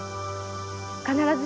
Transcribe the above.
必ず